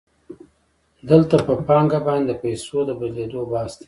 دلته په پانګه باندې د پیسو د بدلېدو بحث دی